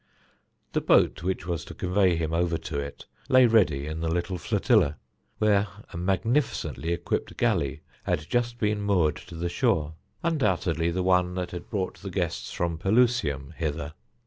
The boat which was to convey him over to it lay ready in the little flotilla, where a magnificently equipped galley had just been moored to the shore, undoubtedly the one that had brought the guests from Pelusium hither.